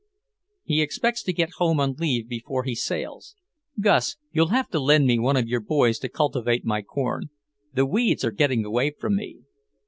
He expects to get home on leave before he sails. Gus, you'll have to lend me one of your boys to cultivate my corn. The weeds are getting away from me."